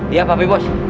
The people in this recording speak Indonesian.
iya pak bebos